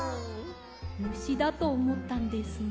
むしだとおもったんですね。